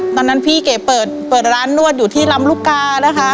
ตอนนั้นพี่เก๋เปิดร้านนวดอยู่ที่ลำลูกกานะคะ